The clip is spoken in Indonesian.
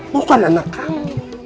bukan anak kamu